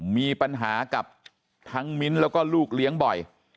มีปัญหากับทั้งมิ้นท์แล้วก็ลูกเลี้ยงบ่อย